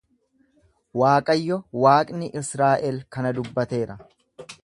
Waaqayyo Waaqni Israa'el kana dubbateera.